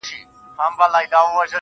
یو څوک دي ووایي چي کوم هوس ته ودرېدم ~